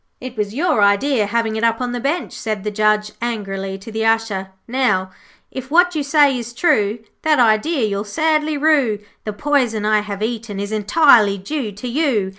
'It was your idea having it up on the bench,' said the Judge, angrily, to the Usher. 'Now, 'If what you say is true, That idea you'll sadly rue, The poison I have eaten is entirely due to you.